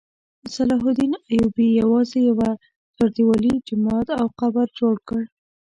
صلاح الدین ایوبي یوازې یوه چاردیوالي، جومات او قبر جوړ کړ.